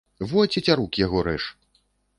Во, цецярук яго рэж.